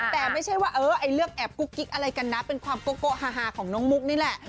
แต่ไม่ใช่ว่าเรื่องแอบกุ๊กกิ๊กอะไรกันนะเป็นความโกะฮาของน้องมุกนี่แหละ